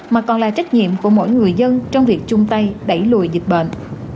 mà còn là trách nhiệm của mỗi người dân trong việc chung tay đẩy lùi dịch bệnh